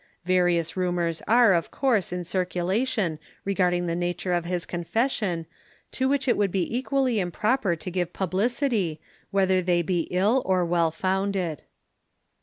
Various rumours are, of course, in circulation respecting the nature of his confession to which it would be equally improper to give publicity, whether they be ill or well founded.